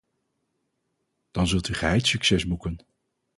Dan zult u geheid succes boeken.